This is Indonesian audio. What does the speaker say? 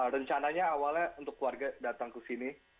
rencananya awalnya untuk keluarga datang ke sini